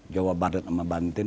jawa barat sama bantin